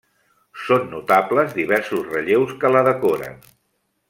Són notables diversos relleus que la decoren.